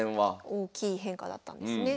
大きい変化だったんですね。